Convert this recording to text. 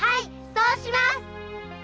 そうします！